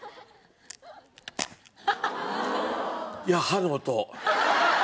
いや歯の音。